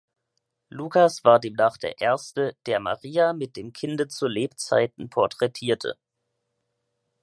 Lukas war demnach der Erste, der Maria mit dem Kinde zu Lebzeiten porträtierte.